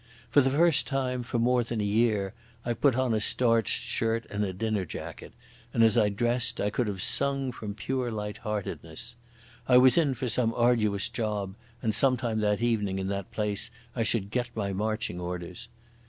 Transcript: For the first time for more than a year I put on a starched shirt and a dinner jacket, and as I dressed I could have sung from pure lightheartedness. I was in for some arduous job, and sometime that evening in that place I should get my marching orders.